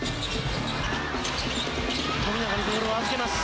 富永にボールを預けます。